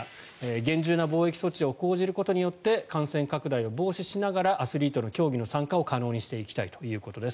厳重な防疫措置を講じることによって感染拡大を防止しながらアスリートの競技の参加を可能にしていきたいということです。